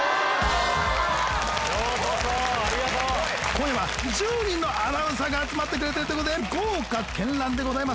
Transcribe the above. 今夜は１０人のアナウンサーが集まってくれてるということで豪華絢爛でございます。